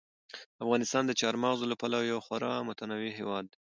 افغانستان د چار مغز له پلوه یو خورا متنوع هېواد دی.